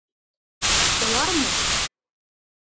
Улармы?..